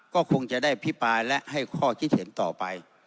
ก็คงจะได้พิปรายและให้ข้อคิดเห็นต่อไป